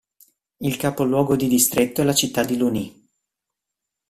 Il capoluogo di distretto è la città di Louny.